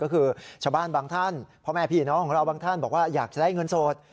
ก็คือชาวบ้านบางท่านพ่อแม่พี่น้องของเราบางท่านบอกว่าอยากจะได้เงินสด